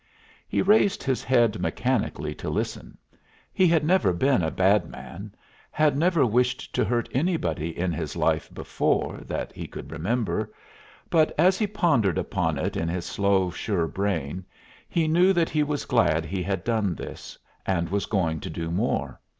He raised his head mechanically to listen. He had never been a bad man; had never wished to hurt anybody in his life before that he could remember; but as he pondered upon it in his slow, sure brain, he knew that he was glad he had done this, and was going to do more.